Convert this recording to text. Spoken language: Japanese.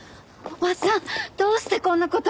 おばさんどうしてこんな事。